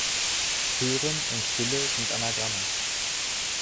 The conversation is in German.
Hören und Stille sind Anagramme.